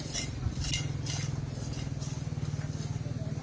เฮีย